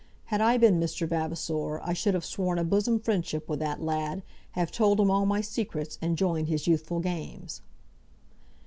Had I been Mr. Vavasor I should have sworn a bosom friendship with that lad, have told him all my secrets, and joined his youthful games.